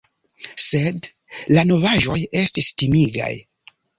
Sed la novaĵoj estis timigaj.